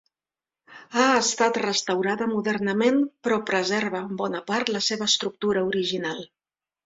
Ha estat restaurada modernament però preserva en bona part la seva estructura original.